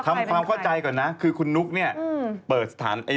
เมื่อก้องกินยารักหรือความอ้วนเพื่อผอมนี้